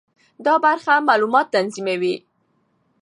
دا برخه معلومات تنظیموي.